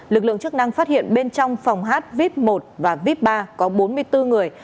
lực lượng chức năng phát hiện bên trong phòng hát vít một và vip ba có bốn mươi bốn người